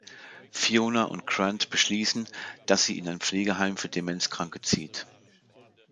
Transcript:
Fiona und Grant beschließen, dass sie in ein Pflegeheim für Demenzkranke zieht.